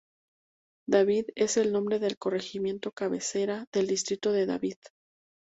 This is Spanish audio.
David es el nombre del corregimiento cabecera, del distrito de David.